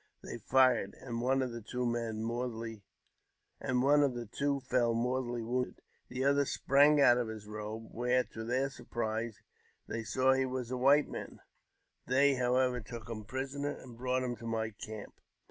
They fired, and one of the two fell mortally wounded ; the other sprang out of his robe, when to their surprise, they saw he was a white man. They, however, took him prisoner, and brought him to my camp.